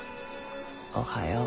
おはよう。